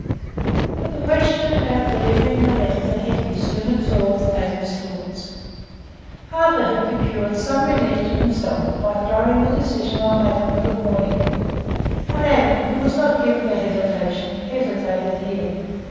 But the question about delivering the letter to Hetty soon absorbed Adam's thoughts. Arthur had procured some relief to himself by throwing the decision on Adam with a warning; and Adam, who was not given to hesitation, hesitated here.